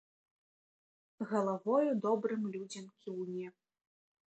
Галавою добрым людзям кіўне.